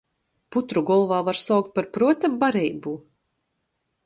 Putru golvā var saukt par pruota bareibu??